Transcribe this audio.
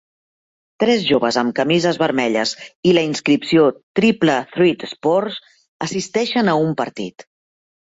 Tres joves amb camises vermelles i la inscripció Triple Threat Sports assisteixen a un partit